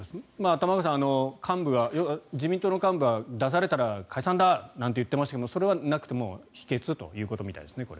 玉川さん、自民党の幹部は出されたら解散だ！なんて言っていましたがそれはなくても否決ということみたいですね。